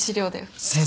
先生